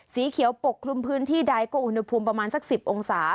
สีเขียวปกคลุมพื้นที่ใดก็อุณหภูมิประมาณสัก๑๐องศา